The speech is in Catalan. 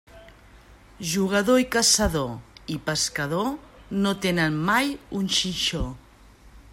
Jugador i caçador i pescador no tenen mai un xinxó.